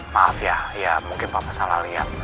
maaf ya ya mungkin papa salah liat